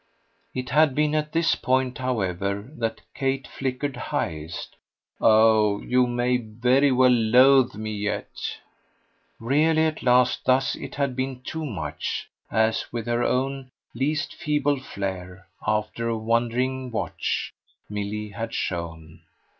It had been at this point, however, that Kate flickered highest. "Oh you may very well loathe me yet!" Really at last, thus, it had been too much; as, with her own least feeble flare, after a wondering watch, Milly had shown.